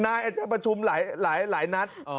อาจจะประชุมหลายนัด